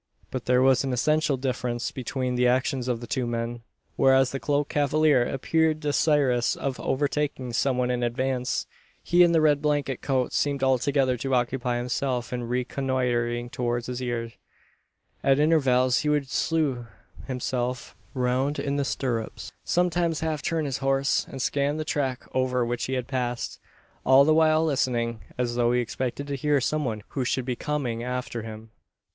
But there was an essential difference between the actions of the two men. Whereas the cloaked cavalier appeared desirous of overtaking some one in advance, he in the red blanket coat seemed altogether to occupy himself in reconnoitring towards his rear. At intervals he would slue himself round in the stirrups sometimes half turn his horse and scan the track over which he had passed; all the while listening, as though he expected to hear some one who should be coming after him.